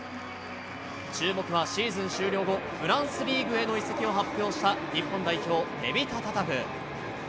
注目はシーズン終了後、フランスリーグへの移籍を発表した日本代表、テビタ・タタフ。